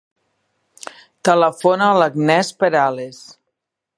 Telefona a l'Agnès Perales.